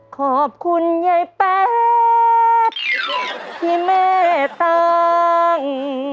ขอบคุณยายแป๊บที่แม่ตั้ง